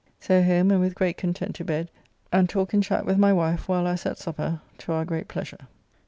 So home and with great content to bed, and talk and chat with my wife while I was at supper, to our great pleasure.